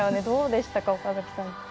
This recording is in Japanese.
どうでしたか、岡崎さん。